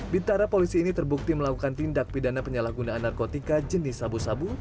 bintara polisi ini terbukti melakukan tindak pidana penyalahgunaan narkotika jenis sabu sabu